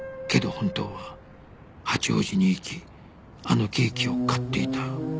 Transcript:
本当は八王子に行きあのケーキを買っていた